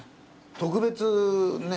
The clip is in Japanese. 「特別ねえ